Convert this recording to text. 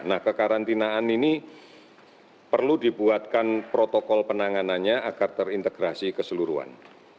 nah kekarantinaan ini perlu dibuatkan protokol penanganannya agar terintegrasi keseluruhan